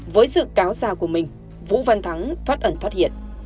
với sự cáo già của mình vũ văn thắng thoát ẩn thoát hiện